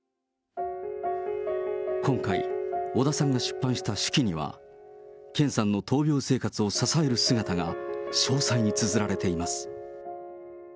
今回、小田さんが出版した手記には、健さんの闘病生活を支える姿が詳細につづられています。